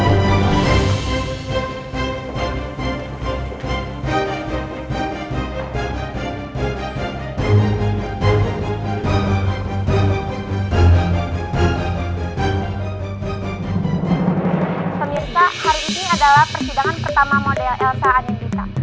pemirsa hari ini adalah persidangan pertama model elsa adivita